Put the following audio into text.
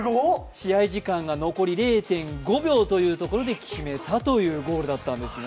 試合時間が残り０．５秒というところで決めたゴールだったんです。